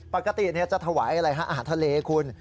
ปกติจะถวายอะไรฮะอาหารทะเลคุณ